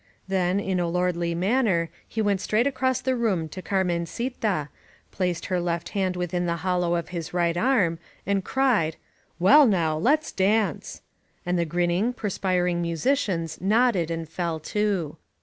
Then, in a lordly manner, he went straight across the room to Carmen cita, placed her left hand within the hollow of his right arm, and cried : "Well, now ; let's dance !" and the grinning, perspiring musicians nodded and fell to.